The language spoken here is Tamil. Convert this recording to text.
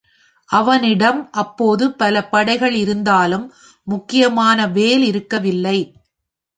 அவனிடம் அப்போது பல படைகள் இருந்தாலும், முக்கியமான வேல் இருக்கவில்லை.